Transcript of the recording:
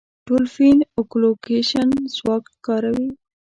ډولفین اکولوکېشن ځواک کاروي.